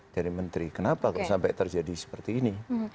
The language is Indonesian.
dari menteri kenapa kok sampai terjadi seperti ini